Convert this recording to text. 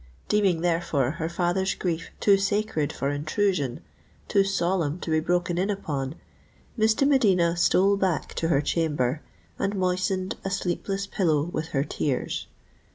Deeming, therefore, her father's grief too sacred for intrusion—too solemn to be broken in upon, Miss de Medina stole back to her chamber, and moistened a sleepless pillow with her tears.